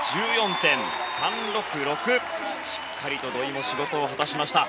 しっかりと土井も仕事を果たしました。